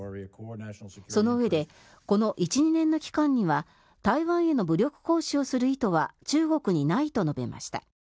そのうえでこの１２年の期間は台湾への武力行使をする意図は中国にはないと述べました。